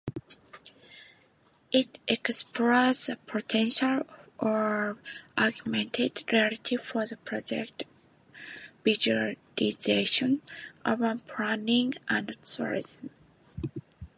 It explored the potential of augmented reality for project visualization, urban planning and tourism.